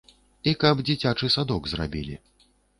І каб дзіцячы садок зрабілі.